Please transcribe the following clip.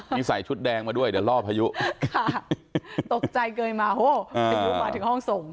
นี่ใส่ชุดแดงมาด้วยเดี๋ยวล่อพายุค่ะตกใจเกยมาโหพายุมาถึงห้องส่ง